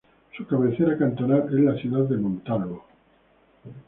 Su cabecera cantonal es la ciudad de Montalvo.